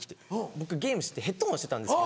僕ゲームしててヘッドホンしてたんですよ。